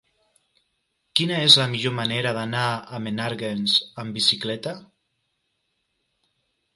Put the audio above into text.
Quina és la millor manera d'anar a Menàrguens amb bicicleta?